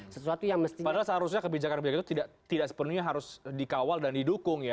padahal seharusnya kebijakan kebijakan itu tidak sepenuhnya harus dikawal dan didukung ya